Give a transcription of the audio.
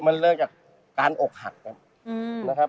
มันเริ่มจากการอกหักกันนะครับ